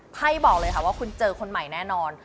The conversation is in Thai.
ไพ่บอกเลยค่ะว่าคุณเจอคนใหม่แน่นอน